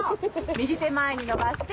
右手前に伸ばして。